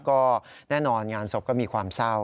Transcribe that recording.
ก็แน่นอนงานศพก็มีความเศร้า